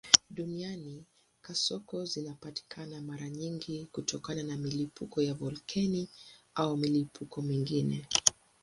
Duniani kasoko zinapatikana mara nyingi kutokana na milipuko ya volkeno au milipuko mingine.